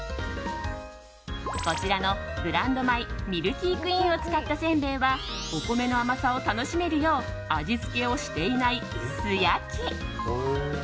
こちらのブランド米ミルキークイーンを使ったせんべいはお米の甘さを楽しめるよう味付けをしていない、素焼き。